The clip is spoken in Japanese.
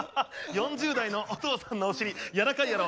４０代のお父さんのお尻やらかいやろ。